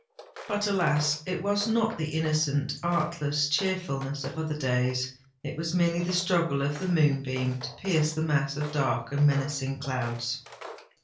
But, alas! it was not the innocent—artless cheerfulness of other days:—it was merely the struggle of the moonbeam to pierce the mass of dark and menacing clouds!